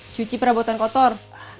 cuci perabotan kotor